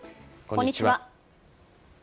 こんにちは。